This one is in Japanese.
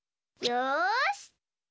よし。